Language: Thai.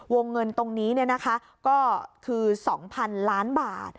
วงเงินตรงนี้ก็คือ๒๐๐๐ล้านบาท